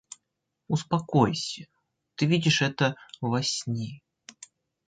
— Успокойся, ты видишь это во сне.